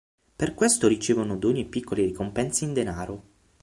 Per questo ricevono doni e piccole ricompense in denaro.